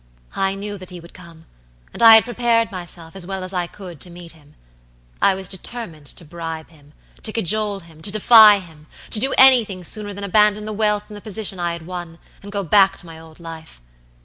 "I knew that he would come, and I had prepared myself, as well as I could, to meet him. I was determined to bribe him, to cajole him, to defy him; to do anything sooner than abandon the wealth and the position I had won, and go back to my old life.